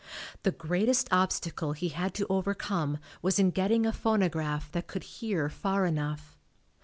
The greatest obstacle he had to overcome was in getting a phonograph that could "hear" far enough.